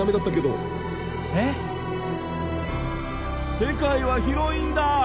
世界は広いんだ！